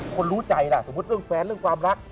คนรู้ใจล่ะสมมุติเรื่องแฟนเรื่องความรัก